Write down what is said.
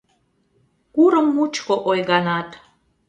Курым мучко ойганат